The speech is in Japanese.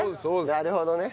なるほどね。